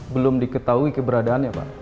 belum diketahui keberadaannya pak